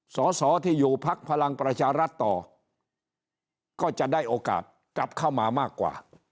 สอสอที่อยู่พักพลังประชารัฐต่อก็จะได้โอกาสกลับเข้ามามากกว่า